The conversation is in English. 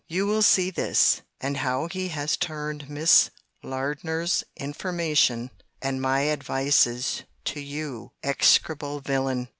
—You will see this, and how he has turned Miss Lardner's information, and my advices to you, [execrable villain!